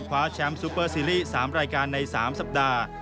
คว้าแชมป์ซูเปอร์ซีรีส์๓รายการใน๓สัปดาห์